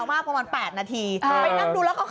แถมมีสรุปอีกต่างหากแถมมีสรุปอีกต่างหาก